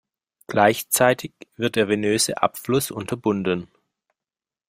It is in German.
Gleichzeitig wird der venöse Abfluss unterbunden.